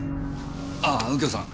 あぁ右京さん。